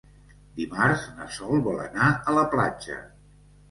Dimarts na Sol vol anar a la platja.